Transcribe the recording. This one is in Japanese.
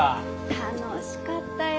楽しかったよ。